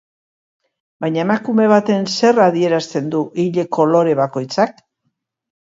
Baina emakume baten zer adierazten du ile kolore bakoitzak?